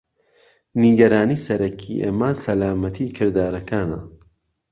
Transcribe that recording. نیگەرانی سەرەکی ئێمە سەلامەتی کردارەکانە.